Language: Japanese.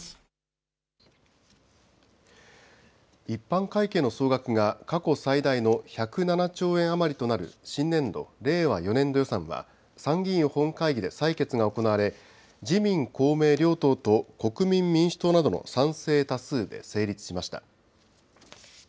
一般会計の総額が過去最大の１０７兆円余りとなる新年度・令和４年度予算は、参議院本会議で採決が行われ、自民、公明両党と国民民主党などの賛成多数で成立しました。